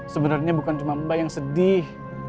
sebenarnya bukan cuma mbak yang sedih